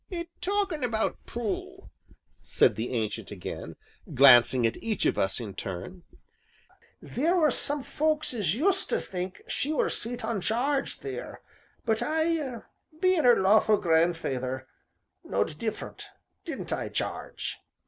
"Talkin' 'bout Prue," said the Ancient again, glancing at each of us in turn, "theer was some folks as used to think she were sweet on Jarge theer, but I, bein' 'er lawful gran'feyther knowed different didn't I, Jarge?"